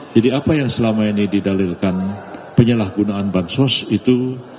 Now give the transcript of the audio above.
jadi apa yang selama ini didalilkan penyalahgunaan bansuas itu